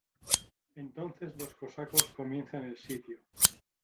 Entonces los cosacos comienzan el sitio.